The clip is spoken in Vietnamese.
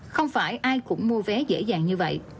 không phải ai cũng mua vé dễ dàng như vậy